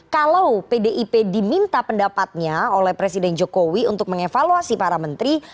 kalau pdip diminta pendapatnya oleh presiden jokowi untuk mengevaluasi para menteri